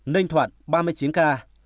ninh thoạn ba mươi chín ca